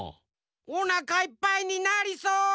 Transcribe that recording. おなかいっぱいになりそう。